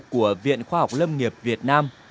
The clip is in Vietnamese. của viện khoa học lâm nghiệp việt nam